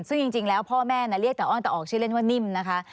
ซึ่งจริงแล้วพ่อแม่เรียกแต่อ้อนแต่ออกชื่อเล่นว่านิ่มนะคะ